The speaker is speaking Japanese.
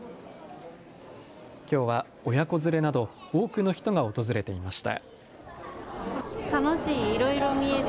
きょうは親子連れなど多くの人が訪れていました。